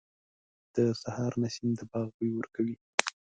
• د سهار نسیم د باغ بوی ورکوي.